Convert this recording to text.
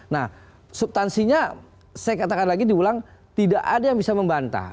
nah subtansinya saya katakan lagi diulang tidak ada yang bisa membantah